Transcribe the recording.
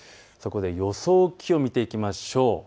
予想気温を見ていきましょう。